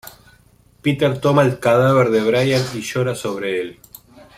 Peter toma el cadáver de Brian y llora sobre el.